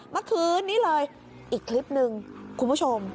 เมื่อคืนนี้เลยอีกคลิปหนึ่งคุณผู้ชม